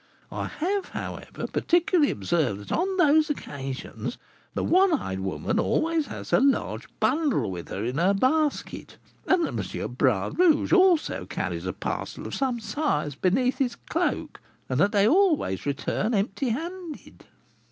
I have, however, particularly observed that on those occasions the one eyed woman always has a large bundle with her in her basket, and that M. Bras Rouge also carries a parcel of some size beneath his cloak, and that they always return empty handed."